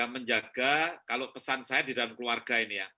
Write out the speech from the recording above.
menjaga kalau pesan saya di dalam keluarga ini ya